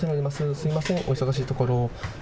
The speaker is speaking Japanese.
すみません、お忙しいところ。